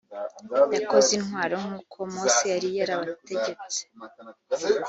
yakoze intwaro nk uko mose yari yarabategetse